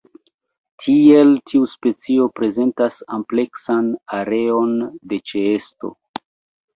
Tiel tiu specio prezentas ampleksan areon de ĉeesto.